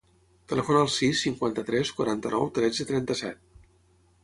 Telefona al sis, cinquanta-tres, quaranta-nou, tretze, trenta-set.